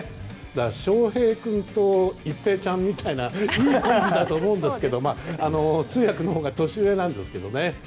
翔平君と一平ちゃんみたいないいコンビだと思うんですけど通訳のほうが年上なんですけどね。